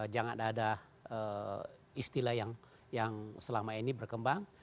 jangan ada istilah yang selama ini berkembang